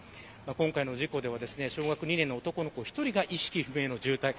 今回の事故では、小学２年の男の子１人が意識不明の重体。